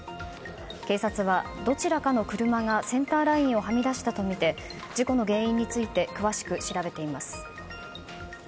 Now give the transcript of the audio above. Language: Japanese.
警察はどちらかの車がセンターラインをはみ出したとみて事故の原因について詳しく調べています。